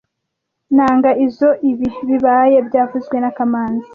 Nanga izoo ibi bibaye byavuzwe na kamanzi